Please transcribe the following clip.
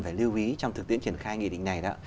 phải lưu ý trong thực tiễn triển khai nghị định này đó